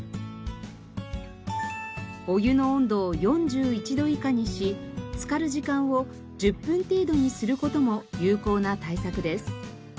お湯の温度を４１度以下にしつかる時間を１０分程度にする事も有効な対策です。